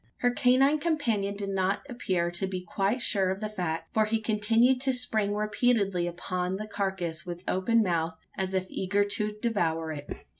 Her canine companion did not appear to be quite sure of the fact: for he continued to spring repeatedly upon the carcass with open mouth, as if eager to devour it.